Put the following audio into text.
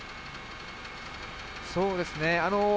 そうですね。